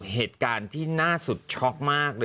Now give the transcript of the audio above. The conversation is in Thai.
เหตุการณ์ที่หน้าสุดช็อคมาก